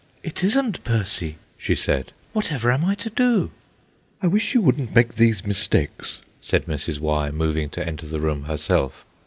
"It isn't Percy," she said. "Whatever am I to do?" "I wish you wouldn't make these mistakes," said Mrs. Y., moving to enter the room herself.